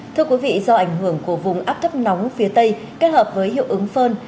thưa quý vị do ảnh hưởng của vùng áp thấp nóng phía tây kết hợp với hiệu ứng phơn